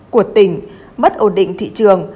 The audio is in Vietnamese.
của tỉnh mất ổn định thị trường